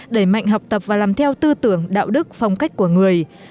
đẩy mạnh học tập và làm theo tư tưởng đạo đức phong cách của người